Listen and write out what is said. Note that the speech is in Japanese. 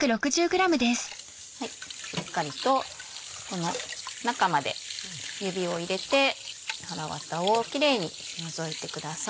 しっかりとこの中まで指を入れてはらわたをキレイに除いてください。